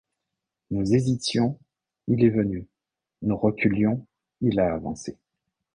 Nous hésitions, il est venu! nous reculions, il a avancé !